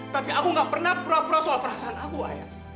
tapi aku gak pernah pura pura soal perasaan aku ayah